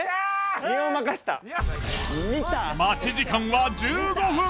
待ち時間は１５分。